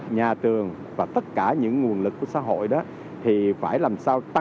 nhà trường và tất cả những nguồn lực của xã hội đó